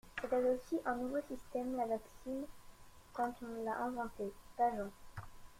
«C'était aussi un nouveau système, la vaccine, quand on l'a inventée, Pageant.